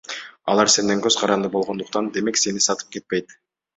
Алар сенден көз каранды болгондуктан, демек сени сатып кетпейт.